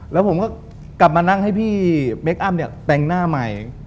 แล้วผมก็กลับมานั่งให้พี่เมคอั้มเนี่ยแต่งหน้าใหม่